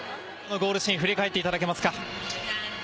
ゴールシーンを振り返っていただけますか？